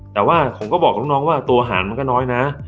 แต่ว่าผมก็บอกลูกน้องว่าตัวอาหารมันก็น้อยนะ